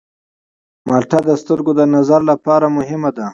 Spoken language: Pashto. مالټه د سترګو د نظر لپاره مهمه ده.